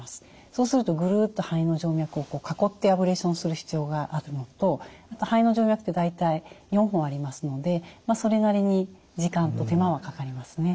そうするとぐるっと肺の静脈を囲ってアブレーションをする必要があるのとあと肺の静脈大体４本ありますのでそれなりに時間と手間はかかりますね。